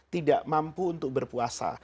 tidak mampu untuk berpuasa